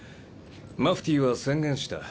マフティーは宣言した。